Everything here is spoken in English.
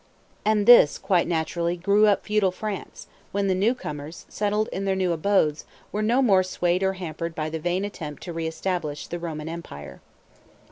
And this, quite naturally, grew up feudal France, when the new comers, settled in their new abodes, were no more swayed or hampered by the vain attempt to re establish the Roman empire.